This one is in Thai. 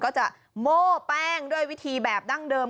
ก็จะโม้แป้งด้วยวิธีแบบดั้งเดิม